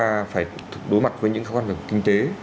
chúng ta phải đối mặt với những khó khăn về kinh tế